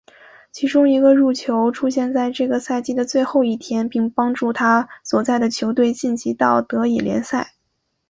其中一个入球出现在这个赛季的最后一天并帮助他所在的球队晋级到德乙联赛。